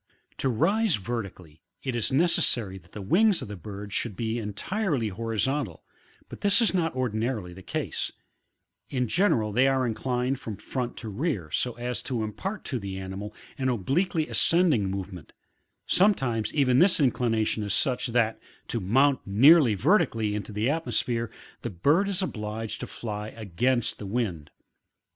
To rise vertically, it is necessary that the wings of the bird should \ye entirely horizcmtal, but this is not ordinarily the case; in general they are inclined from front to rear so as to impart to the animal an obliquely ascending movement; sometimes even this inclination is such, that, to mount neariy vertically, into the atmosphere, the bird is obliged to fly against the wind.